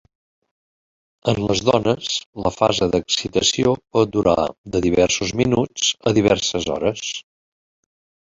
En les dones, la fase d'excitació pot durar de diversos minuts a diverses hores.